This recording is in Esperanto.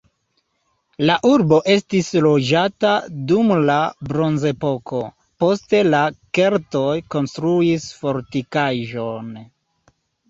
La urbo estis loĝata dum la bronzepoko, poste la keltoj konstruis fortikaĵon.